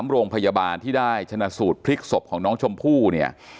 โรงพยาบาลที่ได้ชนะสูตรพลิกศพของน้องชมพู่เนี่ย